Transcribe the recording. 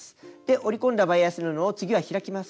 折り込んだバイアス布を次は開きます。